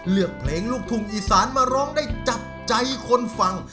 เลือกเพลงลูกทุ่งอีสานมาร้องได้จับใจคนฟัง